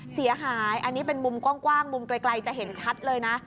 เสียหายอันนี้เป็นมุมกว้างมุมไกลจะเห็นชัดเลยนะ